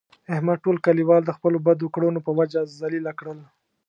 احمد ټول کلیوال د خپلو بدو کړنو په وجه ذلیله کړل.